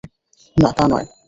না, তা নয়।